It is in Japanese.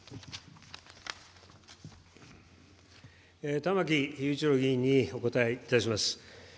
玉木雄一郎議員にお応えいたします。